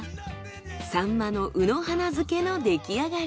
サンマの卯の花漬けの出来上がり。